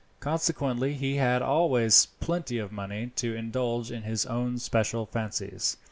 Consequently he had always plenty of money to indulge in his own special fancies.